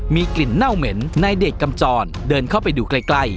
มีกลิ่นเน่าเหม็นนายเดชกำจรเดินเข้าไปดูใกล้